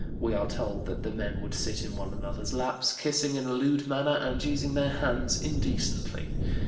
We are told that the "men would sit in one another's laps, kissing in a lewd manner and using their hands indecently.